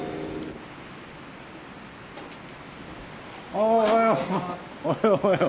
あおはよう。